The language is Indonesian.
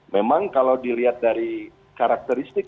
memang kalau dilihat dari karakteristik